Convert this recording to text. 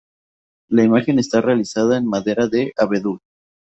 La imagen está realizada en madera de abedul.